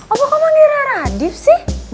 opo kok manggilnya radif sih